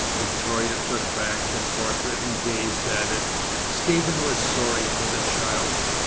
Victoria took back the portrait, and gazed at it. Stephen was sorry for the child.